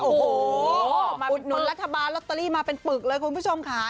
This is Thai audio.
โอ้โหอุดหนุนรัฐบาลลอตเตอรี่มาเป็นปึกเลยคุณผู้ชมค่ะ